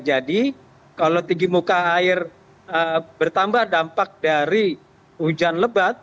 jadi kalau tinggi muka air bertambah dampak dari hujan lebat